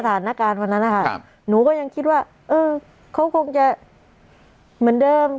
สถานการณ์วันนั้นนะคะหนูก็ยังคิดว่าเออเขาคงจะเหมือนเดิม